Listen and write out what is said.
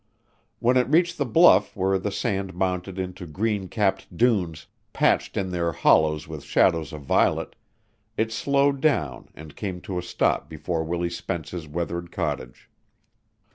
When it reached the bluff where the sand mounted into green capped dunes, patched in their hollows with shadows of violet, it slowed down and came to a stop before Willie Spence's weathered cottage.